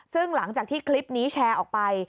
ซึ่งหลังจากที่คลิปนี้แชร์ออกไป